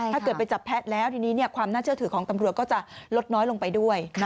ถ้าเกิดไปจับแพะแล้วทีนี้ความน่าเชื่อถือของตำรวจก็จะลดน้อยลงไปด้วย